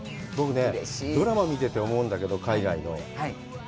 ドラマを見てて思うんだけど、海外の。